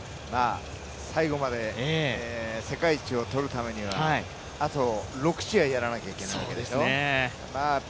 最後まで世界一をとるためには、あと６試合やらなきゃいけないわけですよ。